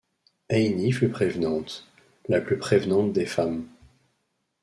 Aïni fut prévenante, la plus prévenante des femmes.